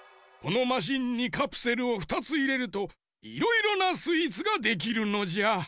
このマシンにカプセルを２ついれるといろいろなスイーツができるのじゃ。